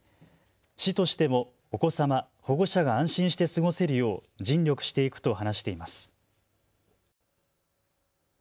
市としてもお子様、保護者が安心して過ごせるよう尽力していくと話しています。